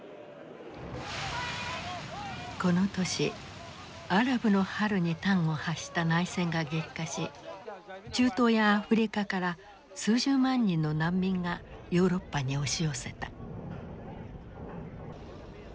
この年アラブの春に端を発した内戦が激化し中東やアフリカから数十万人の難民がヨーロッパに押し寄せた。